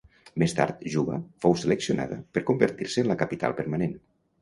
Més Tard, Juba fou seleccionada per convertir-se en la capital permanent.